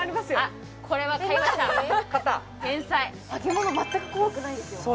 揚げ物全く怖くないんですよ